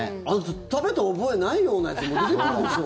食べた覚えないようなやつも出てくるでしょ。